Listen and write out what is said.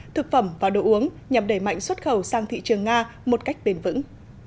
thực phẩm và đồ uống nhằm đẩy mạnh xuất khẩu sang thị trường nga một cách bền vững